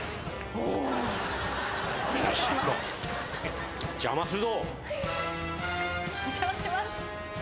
お邪魔します。